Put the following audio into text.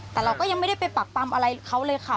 แต่เราก็ยังไม่ได้ไปปักปำอะไรเขาเลยค่ะ